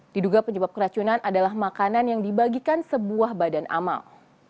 diduga penyebab keracunan adalah makanan yang dibagikan sebuah badan amal